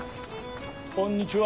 こんにちは。